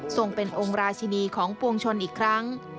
ส่งเป็นองค์ราชินีของปวงชนอีกครั้ง